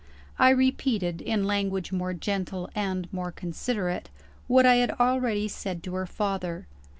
I repeated (in language more gentle and more considerate) what I had already said to her father.